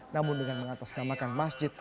namun dengan mengatasnamakan masjid